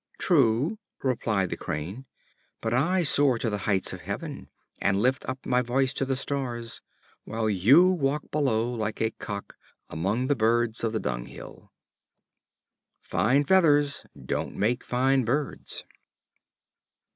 "True," replied the Crane, "but I soar to the heights of heaven, and lift up my voice to the stars, while you walk below, like a cock, among the birds of the dunghill." Fine feathers don't make fine birds.